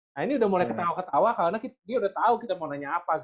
nah ini udah mulai ketawa ketawa karena dia udah tahu kita mau nanya apa